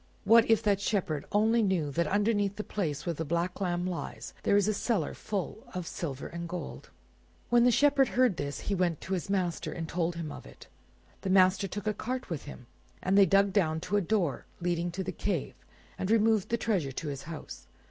"What if that Shepherd only knew that underneath the place where the black lamb lies there is a cellar full of silver and gold!' When the Shepherd heard this, he went to his master, and told him of it. The master took a cart with him, and they dug down to a door leading to the cave, and removed the treasure to his house.